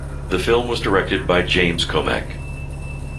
The film was directed by James Komack.